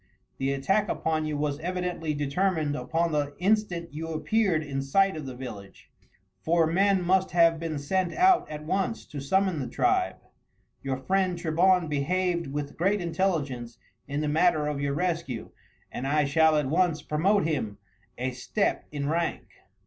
The attack upon you was evidently determined upon the instant you appeared in sight of the village, for men must have been sent out at once to summon the tribe. Your friend Trebon behaved with great intelligence in the matter of your rescue, and I shall at once promote him a step in rank."